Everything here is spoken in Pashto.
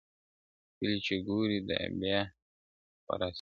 ښكلي چي گوري، دا بيا خوره سي,